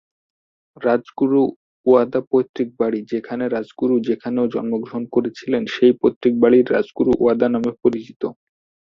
রাজগুরু ওয়াদা পৈত্রিক বাড়ি যেখানে রাজগুরু যেখানে জন্মগ্রহণ করেছিলেন সেই পৈতৃক বাড়ি রাজগুরু ওয়াদা নামে পরিচিত।